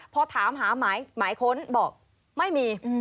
พอถามหาหมายค้นบอกไม่มี